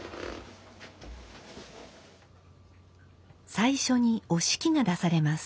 最初に折敷が出されます。